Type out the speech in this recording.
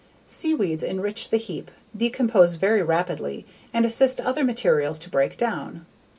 Seaweeds enrich the heap, decompose very rapidly, and assist other materials to break down.